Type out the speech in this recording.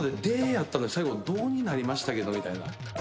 やったのに最後「ど」になりましたけどみたいな